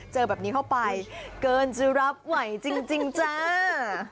เจอแบบนี้เข้าไปเกินจะรับไหวจริงจ้า